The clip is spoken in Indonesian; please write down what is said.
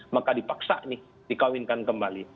maka dipaksa nih dikawinkan kembali